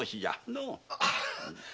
のう？